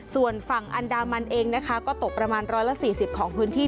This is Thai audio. ส่วนฝั่งอันดามันเองนะคะก็ตกประมาณ๑๔๐ของพื้นที่